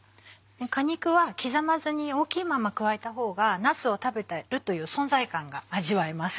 果肉は刻まずに大きいまま加えた方がなすを食べてるという存在感が味わえます。